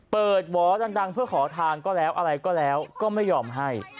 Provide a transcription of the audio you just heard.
วอดังเพื่อขอทางก็แล้วอะไรก็แล้วก็ไม่ยอมให้